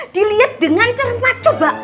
dilihat dengan cermat coba